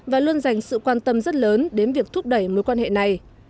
và luôn dành sự quan tâm rất lớn đến việc thúc đẩy mối quan hệ này